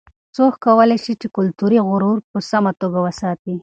څوک کولای سي چې کلتوري غرور په سمه توګه وساتي؟